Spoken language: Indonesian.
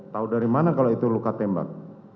tahu dari mana kalau itu luka tembak